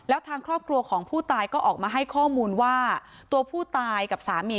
แล้วทางครอบครัวของผู้ตายก็ออกมาให้ข้อมูลว่าตัวผู้ตายกับสามี